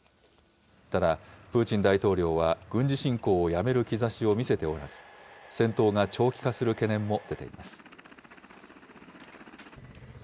ただプーチン大統領は、軍事侵攻をやめる兆しを見せておらず、戦闘が長期化する懸念も出ています。